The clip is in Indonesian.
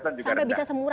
sampai bisa semurah itu